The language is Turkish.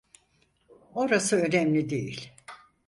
Orası önemli değil.